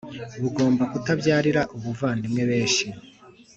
bugomba kutubyarira ubuvandimwe benshi